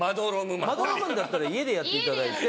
まどろむんだったら家でやっていただいて。